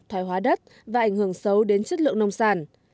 thoái hóa đất và ảnh hưởng xấu đến chất lượng nông sản